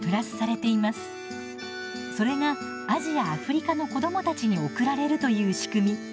それがアジア・アフリカの子どもたちに送られるという仕組み。